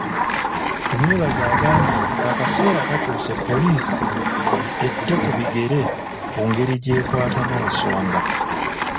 Tumwebaze agambye nti akaseera katuuse poliisi ette ku bigere ku ngeri gy'ekwatamu ensonga.